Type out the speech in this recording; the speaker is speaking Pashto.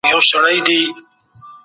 د تېرو وختونو تجربې خورا ګټوري دي.